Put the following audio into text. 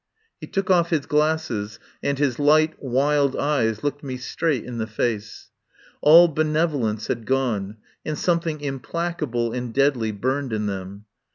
He took off his glasses, and his light, wild eyes looked me straight in the face. All be nevolence had gone, and something implaca ble and deadly burned in them.